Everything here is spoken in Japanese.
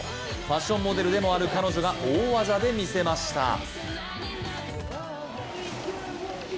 ファッションモデルでもある彼女が大技で見せました。